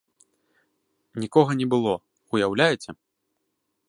Нікога не было, уяўляеце!